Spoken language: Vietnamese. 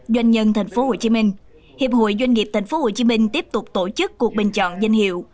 doanh nhân tp hcm hiệp hội doanh nghiệp tp hcm tiếp tục tổ chức cuộc bình chọn danh hiệu